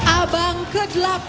abang ke delapan